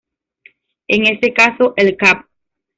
En este caso el "cap.